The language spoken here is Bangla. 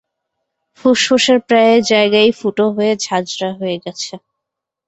ফুসফুসের প্রায় জায়গাই ফুটো হয়ে ঝাঁঝরা হয়ে গেছে।